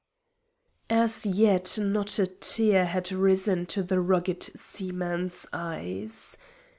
As yet not a tear had risen to the rugged seaman's eyes.